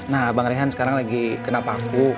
nah bang rehan sekarang lagi kenap aku